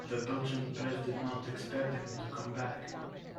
The Belgian press did not expect him to come back.